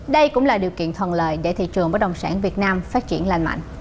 đây cũng là điều kiện thuần lời để thị trường bất đồng sản việt nam phát triển lành mạnh